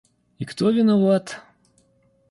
И кто виноват?